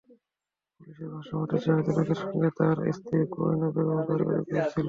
পুলিশের ভাষ্যমতে, জাহেদুল হকের সঙ্গে তাঁর স্ত্রী কোহিনূর বেগমের পারিবারিক বিরোধ ছিল।